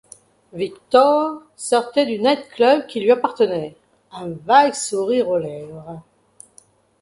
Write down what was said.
Viktor sortait du night-club qui lui appartenait, un vague sourire aux lèvres.